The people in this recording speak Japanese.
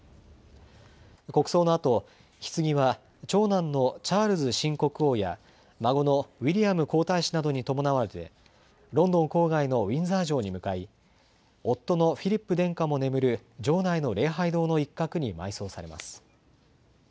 国葬のあと、ひつぎは長男のチャールズ新国王や孫のウィリアム皇太子などに伴われてロンドン郊外のウィンザー城に向かい、夫のフィリップ殿下も眠る城内の礼拝堂の一角に埋葬されます。